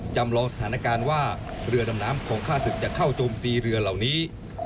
จำลองสถานการณ์ว่าเรือดำน้ำของฆ่าศึกจะเข้าโจมตีเรือเหล่านี้